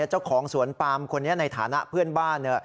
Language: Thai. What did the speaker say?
เจ้าของสวนปามคนนี้ในฐานะเพื่อนบ้าน